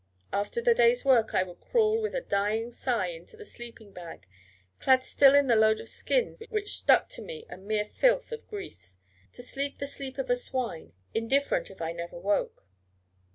After the day's work I would crawl with a dying sigh into the sleeping bag, clad still in the load of skins which stuck to me a mere filth of grease, to sleep the sleep of a swine, indifferent if I never woke.